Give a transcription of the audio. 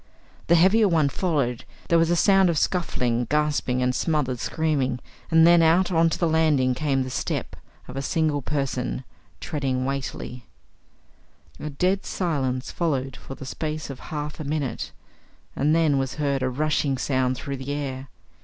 The heavier one followed. There was a sound of scuffling, gasping, and smothered screaming; and then out on to the landing came the step of a single person treading weightily. A dead silence followed for the space of half a minute, and then was heard a rushing sound through the air.